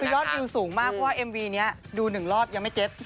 คือยอดวิวสูงมากเพราะว่าเอ็มวีนี้ดู๑รอบยังไม่เก็ต